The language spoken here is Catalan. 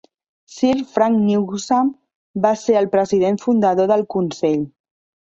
Sir Frank Newsam va ser el president fundador del consell.